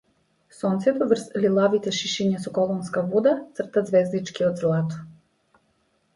Сонцето врз лилавите шишиња со колонска вода црта ѕвездички од злато.